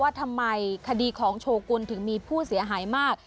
ว่าทำไมคดีของโชกุลถึงมีผู้เสียหายมาก